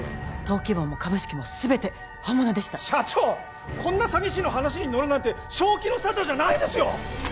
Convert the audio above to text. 登記簿も株式も全て本物でした社長こんな詐欺師の話に乗るなんて正気の沙汰じゃないですよ！